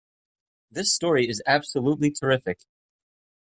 This story is absolutely terrific!